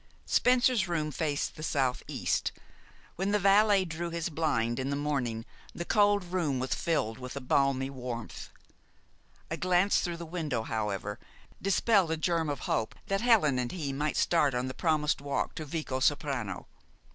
Spencer's room faced the southeast. When the valet drew his blind in the morning the cold room was filled with a balmy warmth. A glance through the window, however, dispelled a germ of hope that Helen and he might start on the promised walk to Vicosoprano.